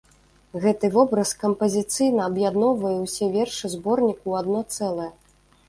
Гэты вобраз кампазіцыйна аб'ядноўвае ўсе вершы зборніку ў адно цэлае.